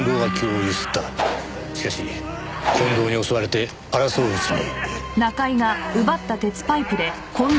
しかし近藤に襲われて争ううちに。